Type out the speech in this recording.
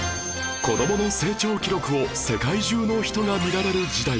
子供の成長記録を世界中の人が見られる時代